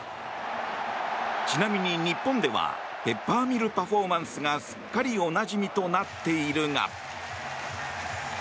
ちなみに日本ではペッパーミルパフォーマンスがすっかりおなじみとなっているが。